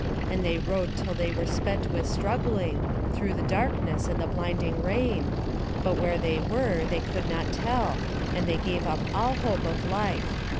And they rowed till they were spent with struggling, through the darkness and the blinding rain, but where they were they could not tell, and they gave up all hope of life.